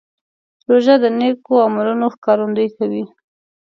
روژه د نیکو عملونو ښکارندویي کوي.